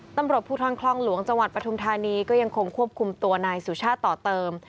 ตำรวจภูทรคลองหลวงจังหวัดปทุมธานีก็ยังคงควบคุมตัวนายสุชาติต่อเติม